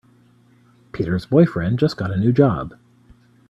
Peter's boyfriend just got a new job.